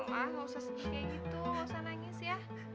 gak usah sedih kayak gitu gak usah nangis ya